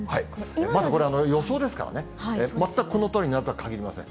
まだ予想ですからね、全くこのとおりになるとはかぎりません。